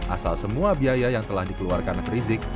asal semua biaya yang telah dikeluarkan rizik